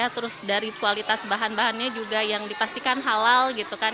terus dari kualitas bahan bahannya juga yang dipastikan halal